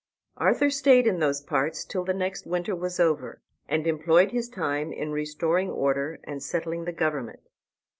Arthur stayed in those parts till the next winter was over, and employed his time in restoring order and settling the government.